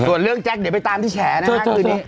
ส่วนเรื่องแจ๊คเดี๋ยวไปตามที่แฉนะฮะคืนนี้